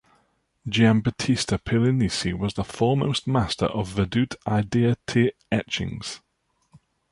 Giambattista Piranesi was the foremost master of "vedute ideate" etchings.